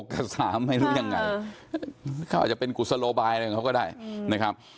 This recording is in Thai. กษาไม่รู้ยังไงเขาอาจจะเป็นกุศโลบายอะไรของเขาก็ได้นะครับ